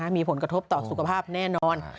มีผลกระทบต่อสุขภาพแน่นอน